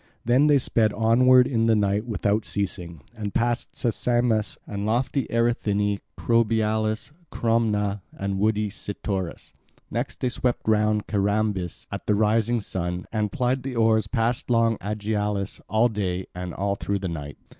Then they sped onward in the night without ceasing, and passed Sesamus and lofty Erythini, Crobialus, Cromna and woody Cytorus. Next they swept round Carambis at the rising of the sun, and plied the oars past long Aegialus, all day and on through the night.